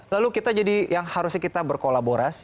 lalu kita jadi yang harusnya kita berkolaborasi